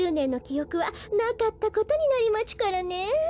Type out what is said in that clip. おくはなかったことになりまちゅからね。